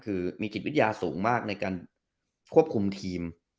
คือมีจิตวิทยาสูงมากในการควบคุมทีม